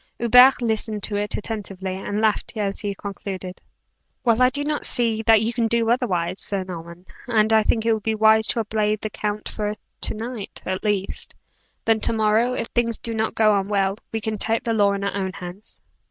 Hubert listened to it attentively, and laughed as he concluded. "Well, I do not see that you can do otherwise, Sir Norman, and I think it would be wise to obey the count for to night, at least. Then to morrow if things do not go on well, we can take the law in our own hands."